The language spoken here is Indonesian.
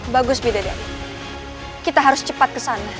bagus bidadari kita harus cepat ke sana